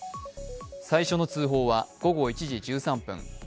最初の通報は午後１時１３分。